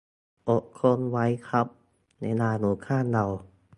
อดทนไว้ครับ เวลาอยู่ข้างเรา